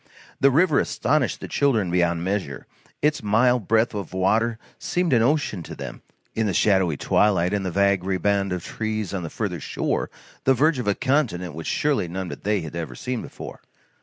The river astonished the children beyond measure. Its mile breadth of water seemed an ocean to them, in the shadowy twilight, and the vague riband of trees on the further shore, the verge of a continent which surely none but they had ever seen before.